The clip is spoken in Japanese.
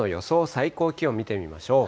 最高気温見てみましょう。